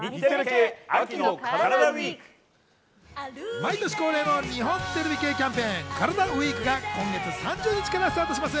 毎年恒例の日本テレビ系キャンペーン、カラダＷＥＥＫが今月３０日からスタートします。